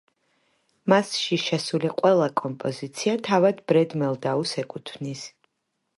მასში შესული ყველა კომპოზიცია თავად ბრედ მელდაუს ეკუთვნის.